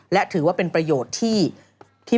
และถือว่าเป็นประโยชน์ที่